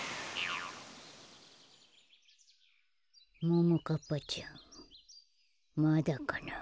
ももかっぱちゃんまだかな。